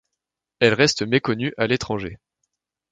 Elle reste méconnue à l'étranger.